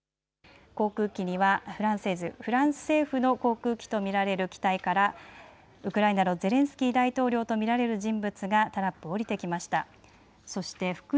フランス政府の航空機と見られる機体からウクライナのゼレンスキー大統領と見られる人物がタラップを降りてきました。